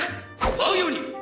舞うように！